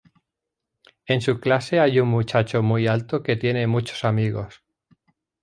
En su clase hay un muchacho muy alto que tiene muchos amigos.